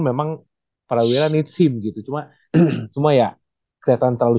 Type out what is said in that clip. dua kali apa ejected setau gue